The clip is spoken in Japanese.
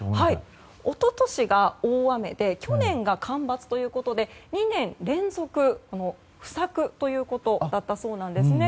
一昨年が大雨で去年が干ばつということで２年連続不作だったそうなんですね。